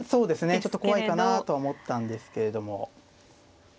ちょっと怖いかなと思ったんですけれども。